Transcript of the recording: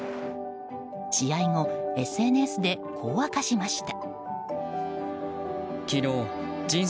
試合後、ＳＮＳでこう明かしました。